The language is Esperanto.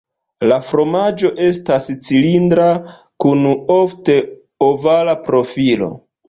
La fromaĝo estas cilindra kun ofte ovala profilo.